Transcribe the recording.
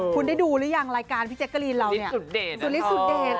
คุณในดูรึยังรายการพี่เจ๊กรีนเราเนี่ยศูนย์สุดเดตครับ